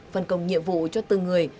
phân công nhiệm vụ cho từng người